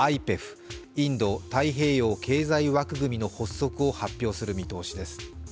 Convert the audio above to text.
ＩＰＥＦ＝インド太平洋経済枠組みの発足を発表する見通しです。